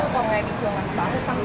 thì mình thấy đắt nhiều người không mua